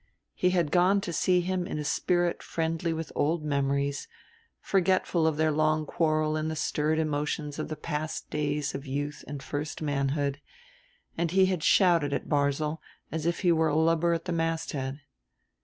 He had gone to see him in a spirit friendly with old memories, forgetful of their long quarrel in the stirred emotions of the past days of youth and first manhood; and he had shouted at Barzil as if he were a lubber at the masthead.